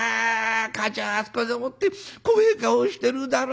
かあちゃんあそこでもって怖え顔してるだろ。